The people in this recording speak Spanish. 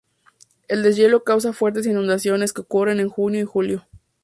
El deshielo causa fuertes inundaciones, que ocurren en junio y julio.